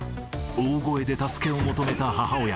大声で助けを求めた母親。